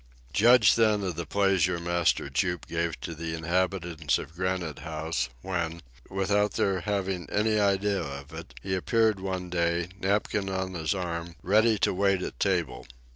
Judge then of the pleasure Master Jup gave to the inhabitants of Granite House when, without their having had any idea of it, he appeared one day, napkin on his arm, ready to wait at table.